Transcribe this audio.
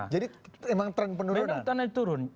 jadi memang trend penurunan